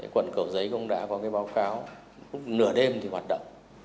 quận cầu giấy cũng đã có cái báo cáo lúc nửa đêm thì hoạt động